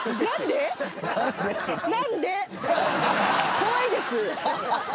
怖いです。